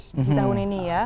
tahun ini ya